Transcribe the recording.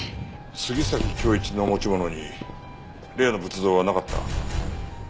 杉崎恭一の持ち物に例の仏像はなかった。